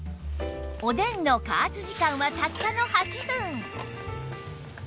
おでんの加圧時間はたったの８分